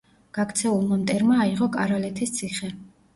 გაქცეულმა მტერმა აიღო კარალეთის ციხე.